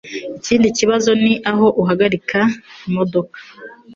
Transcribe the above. Ikindi kibazo ni aho uhagarika imodoka